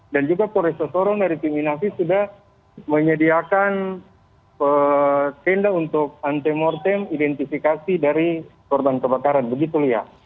dan juga polres sorong dari tim inavis sudah menyediakan senda untuk antemortem identifikasi dari korban kebakaran begitulah ya